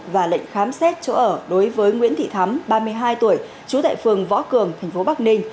và lệnh khám xét chỗ ở đối với nguyễn thị thắm ba mươi hai tuổi trú tại phường võ cường tp bắc ninh